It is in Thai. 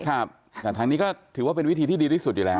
แต่ทางนี้ก็ถือว่าเป็นวิธีที่ดีที่สุดอยู่แล้ว